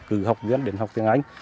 cử học viên điện học tiếng anh